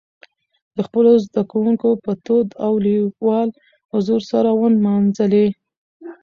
د خپلو زدهکوونکو په تود او لېوال حضور سره ونمانځلي.